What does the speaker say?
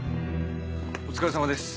お疲れさまです。